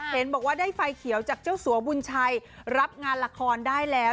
เห็นบอกว่าได้ไฟเขียวจากเจ้าสัวบุญชัยรับงานละครได้แล้ว